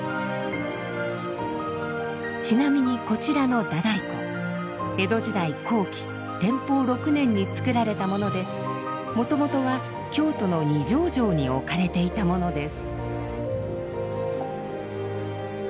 ちなみにこちらの太鼓江戸時代後期天保６年に作られたものでもともとは京都の二条城に置かれていたものです。